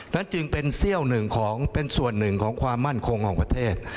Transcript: จึงเป็นเซี่ยวหนึ่งของเป็นส่วนหนึ่งของความมั่นคงของประเทศ